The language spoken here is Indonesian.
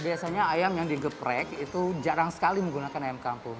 biasanya ayam yang digeprek itu jarang sekali menggunakan ayam kampung